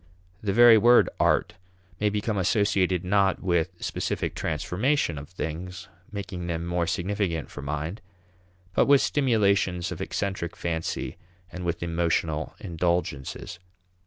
The very word art may become associated not with specific transformation of things, making them more significant for mind, but with stimulations of eccentric fancy and with emotional indulgences.